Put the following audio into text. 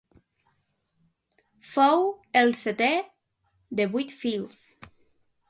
Fou el setè de vuit fills.